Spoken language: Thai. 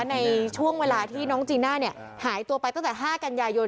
ในช่วงเวลาที่น้องจีน่าเนี่ยหายตัวไปตั้งแต่๕กันยายน